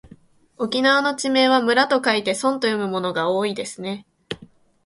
沖縄の地名は村と書いてそんと読むものが多いですね。